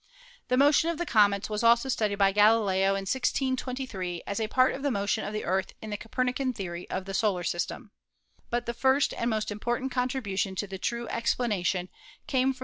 The motion of the comets was also studied by Galileo in 1623 as a part of the motion of the Earth in the Coperni can theory of the solar system. But the first and most important contribution to the true explanation came from